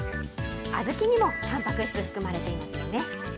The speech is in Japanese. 小豆にもタンパク質、含まれていますよね。